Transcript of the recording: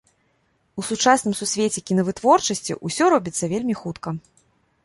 У сучасным сусвеце кінавытворчасці ўсё робіцца вельмі хутка.